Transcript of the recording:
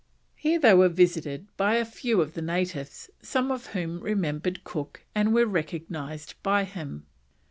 Here they were visited by a few of the natives, some of whom remembered Cook and were recognised by him.